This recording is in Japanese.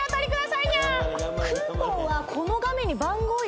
クーポンはこの画面に。